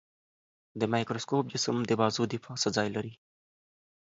د مایکروسکوپ جسم د بازو د پاسه ځای لري.